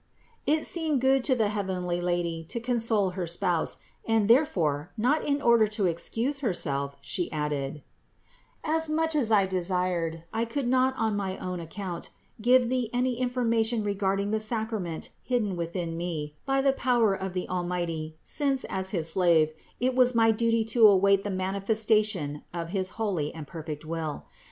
409. It seemed good to the heavenly Lady to console her spouse, and therefore, not in order to excuse Herself, She added : "As much as I desired, I could not on my own account give thee any information regarding the sacrament hidden within me by the power of the Almighty; since, as his slave, it was my duty to await the manifestation of his holy and perfect will.